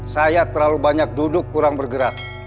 saya terlalu banyak duduk kurang bergerak